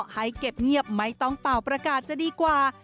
ให้เก็บเงียบไม่ต้องเป่าประกาศจะดีกว่า